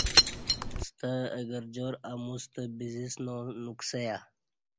ستہ اہ گرجار اموستہ ب زسنا نکسہ یہ